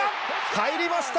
入りました。